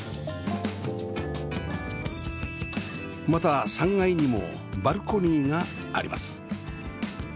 また３階にもバルコニーがあります